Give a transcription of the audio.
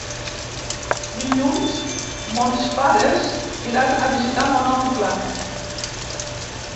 Dilluns mons pares iran a visitar mon oncle.